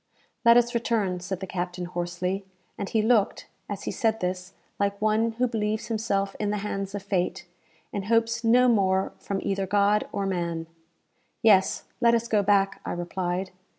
"Let us return," said the captain, hoarsely, and he looked, as he said this, like one who believes himself in the hands of fate, and hopes no more from either God or man. "Yes, let us go back," I replied.